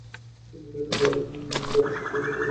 তিনি ইংল্যান্ডের বোলিং গড়ে শীর্ষস্থান অধিকার করেন।